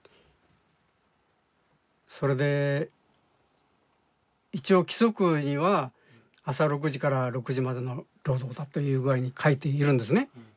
それで一応規則には朝６時から６時までの労働だという具合に書いているんですね。